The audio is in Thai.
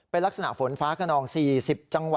เป็นลักษณะฝนฟ้าขนอง๔๐